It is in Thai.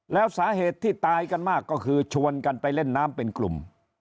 แล้วสาเหตุที่ตายกันมากก็คือชวนกันไปเล่นน้ำเป็นกลุ่ม